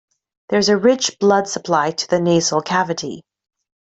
There is a rich blood supply to the nasal cavity.